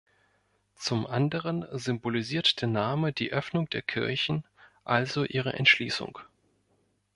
Zum anderen symbolisiert der Name die Öffnung der Kirchen, also ihre "Entschließung".